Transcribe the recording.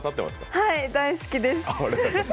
はい、大好きです。